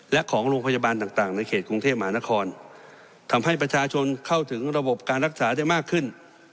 และของโรงพยาบาลต่างในเขตกรุงเทพมหานครทำให้ประชาชนเข้าถึงระบบการรักษาได้มากขึ้น